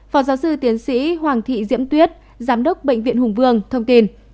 phó giáo sư tiến sĩ hoàng thị diễm tuyết giám đốc bệnh viện hùng vương thông tin